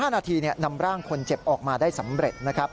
๕นาทีนำร่างคนเจ็บออกมาได้สำเร็จนะครับ